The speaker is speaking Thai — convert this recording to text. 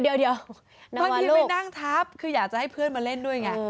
เดี๋ยวบางทีไปนั่งทับคืออยากจะให้เพื่อนมาเล่นด้วยไง